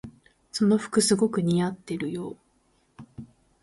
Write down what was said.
その服すごく似合ってるよ。